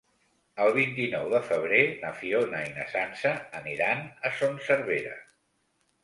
El vint-i-nou de febrer na Fiona i na Sança aniran a Son Servera.